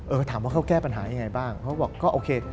ถามว่าเขาแก้ปัญหายังไงบ้างเขาบอกก็โอเค